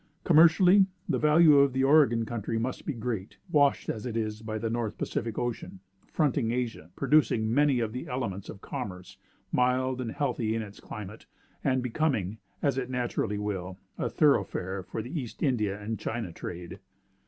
"Commercially, the value of the Oregon country must be great, washed as it is by the North Pacific Ocean, fronting Asia, producing many of the elements of commerce, mild and healthy in its climate, and becoming, as it naturally will, a thoroughfare for the East India and China trade."